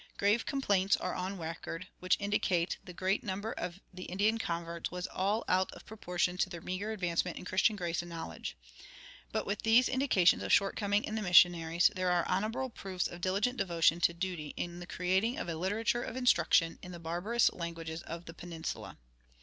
Grave complaints are on record, which indicate that the great number of the Indian converts was out of all proportion to their meager advancement in Christian grace and knowledge; but with these indications of shortcoming in the missionaries there are honorable proofs of diligent devotion to duty in the creating of a literature of instruction in the barbarous languages of the peninsula.